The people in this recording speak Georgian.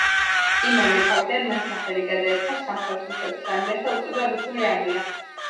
იმავე თვიდან მან სახელი გადაარქვა სამხრეთ რუსეთის არმიას და უწოდა რუსული არმია.